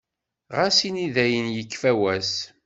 Ɣas ini dayen yekfa wass.